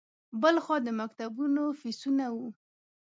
بل خوا د مکتبونو فیسونه وو.